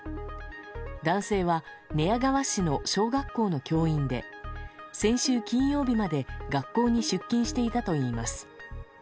男性は寝屋川市の小学校の教員で先週金曜日まで学校に出勤していたといいます。